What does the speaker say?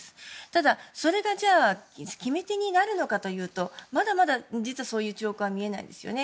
ただ、それが決め手になるのかというとまだまだ実はそういう兆候は見えないですよね。